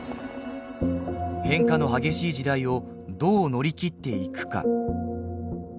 変化の激しい時代をどう乗り切っていくか。